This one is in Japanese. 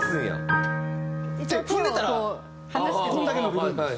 踏んでたらこれだけ伸びるんです。